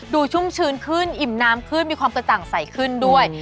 ชุ่มชื้นขึ้นอิ่มน้ำขึ้นมีความกระจ่างใสขึ้นด้วย